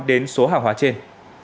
đến số hàng hóa trên